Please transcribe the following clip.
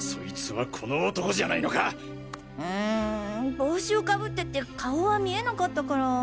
帽子をかぶってて顔は見えなかったから。